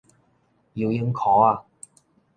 游泳箍仔